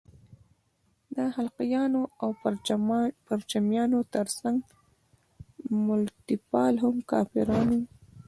د خلقیانو او پرچمیانو تر څنګ ملتپال هم کافران وو.